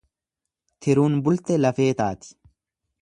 Tiruun bulte lafee taati.